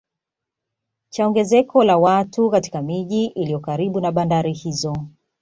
Cha ongezeko la watu katika miji iliyo karibu na bandari hizo